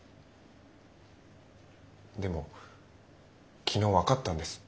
でも昨日分かったんです。